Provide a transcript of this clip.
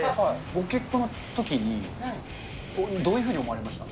ご結婚のときに、どういうふうに思われました？